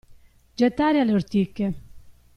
Gettare alle ortiche.